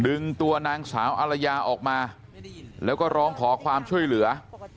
ดึงตัวนางสาวอารยาออกมาแล้วก็ร้องขอความช่วยเหลือ